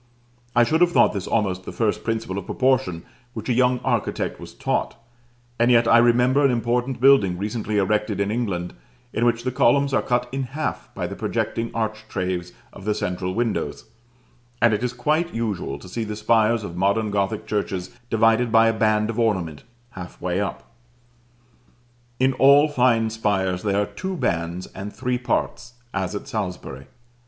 I should have thought this almost the first principle of proportion which a young architect was taught: and yet I remember an important building, recently erected in England, in which the columns are cut in half by the projecting architraves of the central windows; and it is quite usual to see the spires of modern Gothic churches divided by a band of ornament half way up. In all fine spires there are two bands and three parts, as at Salisbury.